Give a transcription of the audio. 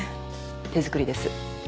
手作りです。